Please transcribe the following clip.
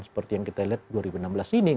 seperti yang kita lihat dua ribu enam belas ini